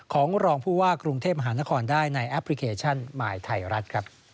ของรองผู้ว่ากรุงเทพมหานครได้ในแอปพลิเคชันหมายไทยรัฐครับ